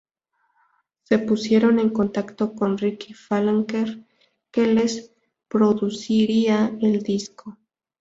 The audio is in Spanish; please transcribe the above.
Se pusieron en contacto con Ricky Falkner, que les produciría el disco.